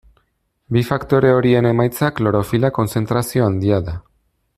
Bi faktore horien emaitza klorofila-kontzentrazio handia da.